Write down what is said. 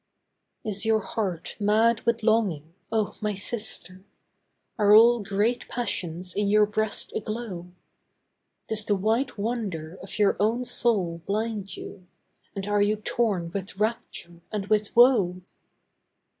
Is your heart mad with longing, oh, my sister? Are all great passions in your breast aglow? Does the white wonder of your own soul blind you, And are you torn with rapture and with woe?